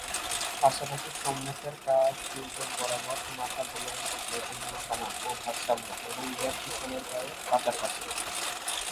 পাশাপাশি সম্মুখের কাঁধ উইকেট বরাবর, মাথা বোলারের দিকে, ওজন সমান ও ভারসাম্য এবং ব্যাট পিছনের পায়ের পাতার কাছে।